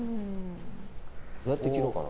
どうやって切ろうかな。